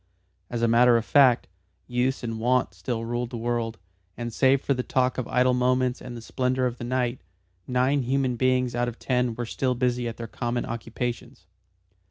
As a matter of fact, use and wont still ruled the world, and save for the talk of idle moments and the splendour of the night, nine human beings out of ten were still busy at their common occupations.